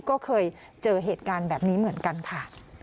ก็เคยเจอเหตุการณ์แบบนี้เหมือนกันค่ะ